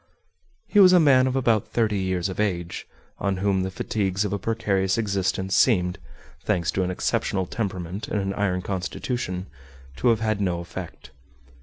He was a man of about thirty years of age, on whom the fatigues of a precarious existence seemed, thanks to an exceptional temperament and an iron constitution, to have had no effect.